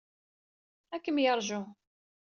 Ad kem-yeṛju.